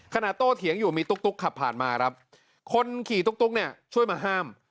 โต้เถียงอยู่มีตุ๊กขับผ่านมาครับคนขี่ตุ๊กเนี่ยช่วยมาห้าม